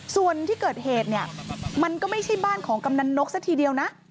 ส่วนที่เกิดเหตุเนี่ยมันก็ไม่ใช่บ้านของกำนันนกซะทีเดียวนะ